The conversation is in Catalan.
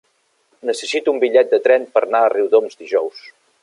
Necessito un bitllet de tren per anar a Riudoms dijous.